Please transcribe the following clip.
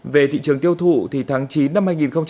về thị trường tiêu thụ tháng chín năm hai nghìn hai mươi ba